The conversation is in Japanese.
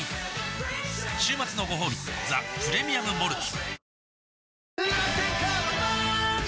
週末のごほうび「ザ・プレミアム・モルツ」